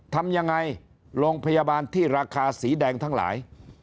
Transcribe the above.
ทำยังไงโรงพยาบาลที่ราคาสีแดงทั้งหลาย